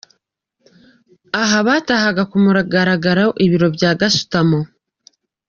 Aha batahaga ku mugaragaro Ibiro bya Gasutamo.